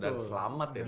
dan selamat ya dong